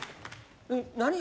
何？